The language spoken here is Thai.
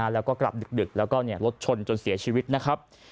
แล้วก็กลับดึกแล้วก็รถชนจนเสียชีวิตนะครับ